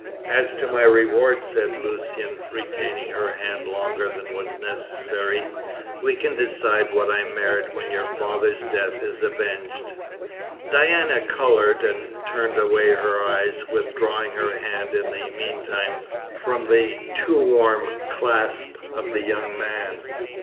"As to my reward," said Lucian, retaining her hand longer than was necessary, "we can decide what I merit when your father's death is avenged." Diana coloured and turned away her eyes, withdrawing her hand in the meantime from the too warm clasp of the young man.